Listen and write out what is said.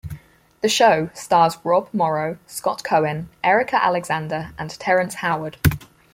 The show stars Rob Morrow, Scott Cohen, Erica Alexander and Terrence Howard.